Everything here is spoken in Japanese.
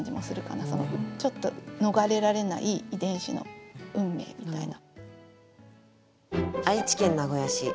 ちょっと逃れられない遺伝子の運命みたいな。